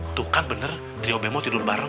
itu kan bener trio b mau tidur bareng